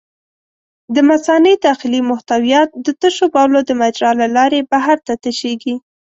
د مثانې داخلي محتویات د تشو بولو د مجرا له لارې بهر ته تشېږي.